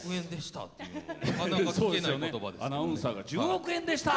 １０億円でした。